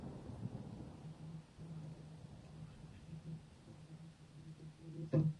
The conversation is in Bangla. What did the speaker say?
কিন্তু ভারতের সর্বোচ্চ মহলের নেতিবাচক মনোভাব সিরিজটিকে আবারও অনিশ্চয়তার মধ্যে ফেলে দিয়েছে।